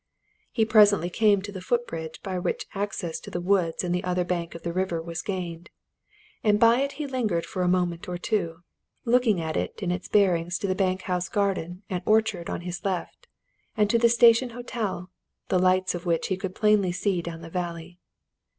He presently came to the foot bridge by which access to the woods and the other bank of the river was gained, and by it he lingered for a moment or two, looking at it in its bearings to the bank house garden and orchard on his left hand, and to the Station Hotel, the lights of which he could plainly see down the valley.